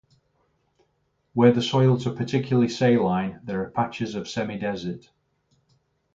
Where the soils are particularly saline, there are patches of semi-desert.